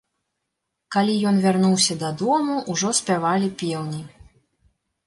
Калі ён вярнуўся дадому, ужо спявалі пеўні.